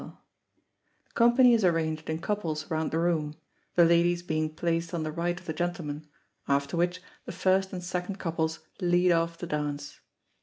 The company is arranged in couples round the room the ladies being placed on the right of the gentlemen, after which, the first and second couples lead off the dance.